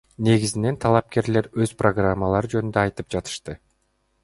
Негизинен талапкерлер өз программалары жөнүндө айтып жатышты.